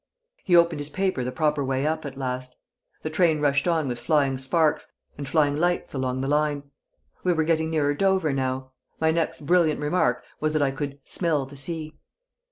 He opened his paper the proper way up at last. The train rushed on with flying sparks, and flying lights along the line. We were getting nearer Dover now. My next brilliant remark was that I could "smell the sea."